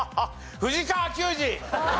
藤川球児！